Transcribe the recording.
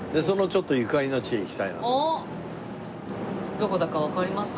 どこだかわかりますか？